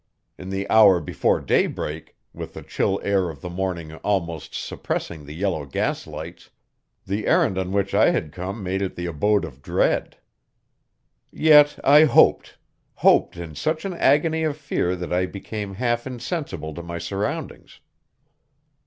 In the hour before daybreak, with the chill air of the morning almost suppressing the yellow gaslights, the errand on which I had come made it the abode of dread. Yet I hoped hoped in such an agony of fear that I became half insensible to my surroundings.